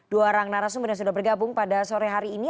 dua orang narasumber yang sudah bergabung pada sore hari ini